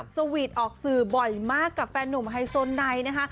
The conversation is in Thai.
สวีทออกสื่อบ่อยมากกับแฟนหนุ่มไฮโซไนนะคะ